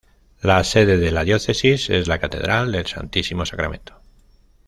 La sede de la Diócesis es la Catedral del Santísimo Sacramento.